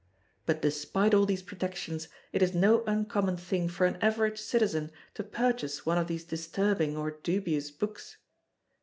But despite all these protections, it is no uncommon thing for an average citizen to purchase one of these disturbing or dubious books.